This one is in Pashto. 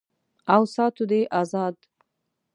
او ساتو دې آزاد